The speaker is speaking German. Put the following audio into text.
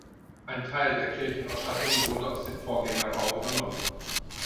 Ein Teil der Kirchenausstattung wurde aus dem Vorgängerbau übernommen.